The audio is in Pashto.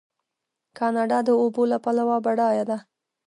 کاناډا د اوبو له پلوه بډایه ده.